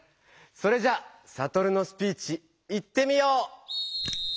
それじゃサトルのスピーチいってみよう！